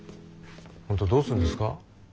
本当どうするんですか？